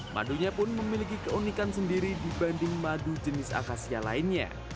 madunya pun memiliki keunikan sendiri dibanding madu jenis akasia lainnya